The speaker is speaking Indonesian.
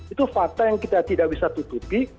itu fakta yang kita tidak bisa tutupi